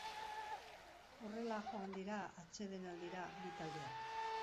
Horrela joan dira atsedenaldira bi taldeak.